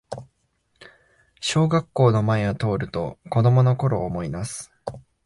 小学校の前を通ると子供のころを思いだす